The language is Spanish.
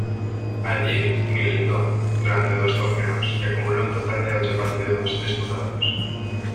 Allí militó durante dos torneos y acumuló un total de ocho partidos disputados.